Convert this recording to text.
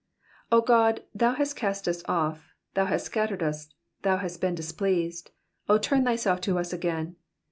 OGOD, thou hast cast us off, thou hast scattered us, thou hast been displeased ; O turn thyself to us again.